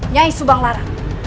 nyai subang larang